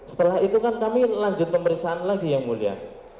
setelah itu kan kami lanjut pemeriksaan lagi yang mulia